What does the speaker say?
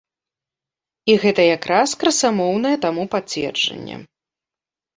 І гэта якраз красамоўнае таму пацверджанне.